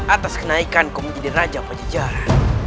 atas kenaikan ku menjadi raja pajajara